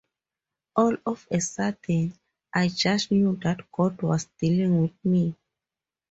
All of a sudden, I just knew that God was dealing with me.